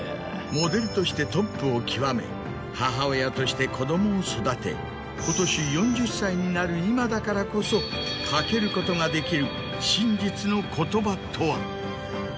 モデルとしてトップを極め母親として子どもを育て今年４０歳になる今だからこそ掛けることができる真実の言葉とは？